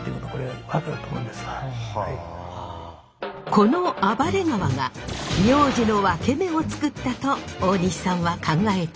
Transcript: この暴れ川が名字のワケメをつくったと大西さんは考えています。